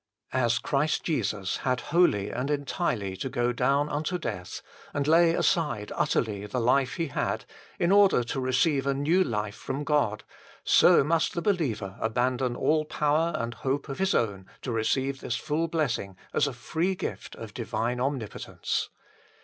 As Christ Jesus had wholly and entirely to go down unto death, and lay aside utterly the life He had, in order to receive a new life from God, so must the believer abandon all power and hope of his own to receive this full blessing as a free gift of divine Omnipotence.